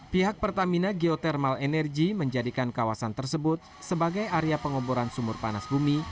pihak pertamina geothermal energy menjadikan kawasan tersebut sebagai area pengoboran sumur panas bumi